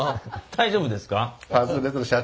大丈夫ですか？